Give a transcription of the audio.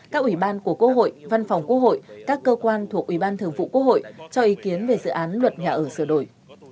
các ủy ban của quốc hội văn phòng quốc hội các cơ quan thuộc ủy ban thường vụ quốc hội cho ý kiến về dự án luật nhà ở sửa đổi